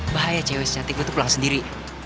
bahaya cewek secantik gue tuh pulang sendiri